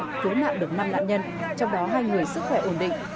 tích cận cứu mạng được năm nạn nhân trong đó hai người sức khỏe ổn định